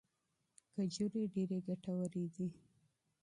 کجورې ډیرې ګټورې دي.